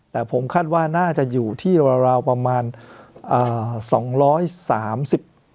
แต่ผมคาดว่าน่าจะอยู่ที่ราวราวประมาณอ่าสองร้อยสามสิบ